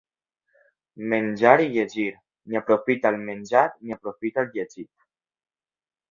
Menjar i llegir, ni aprofita el menjat ni aprofita el llegit.